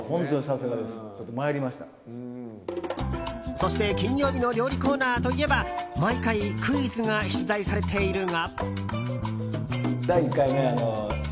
そして金曜日の料理コーナーといえば毎回、クイズが出題されているが。